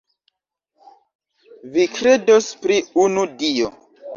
Vi kredos pri unu Dio.